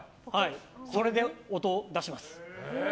それで音を出します。